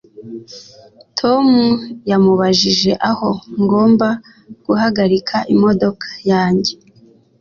Tom yamubajije aho ngomba guhagarika imodoka yanjye